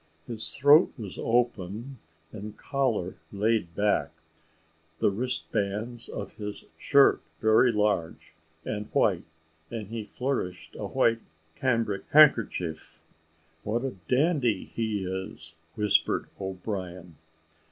His throat was open, and collar laid back; the wristbands of his shirt very large and white, and he flourished a white cambric handkerchief. "What a dandy he is!" whispered O'Brien.